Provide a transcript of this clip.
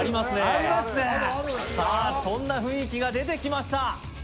そんな雰囲気が出てきました。